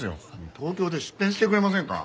東京で出店してくれませんか？